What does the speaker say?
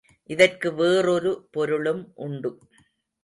இதற்கு வேறொரு பொருளும் உண்டு.